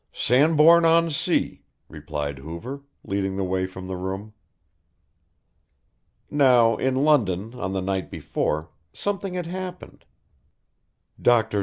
"Sandbourne on sea," replied Hoover, leading the way from the room. Now in London on the night before, something had happened. Dr.